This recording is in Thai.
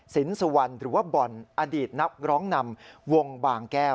สินสวรรค์อดีตร้องนำวงวานแก้ว